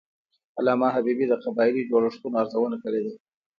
علامه حبیبي د قبایلي جوړښتونو ارزونه کړې ده.